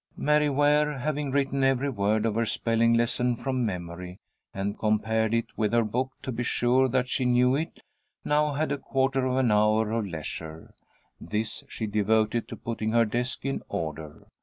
Mary Ware, having written every word of her spelling lesson from memory, and compared it with her book to be sure that she knew it, now had a quarter of an hour of leisure. This she devoted to putting her desk in order.